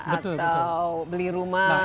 atau beli rumah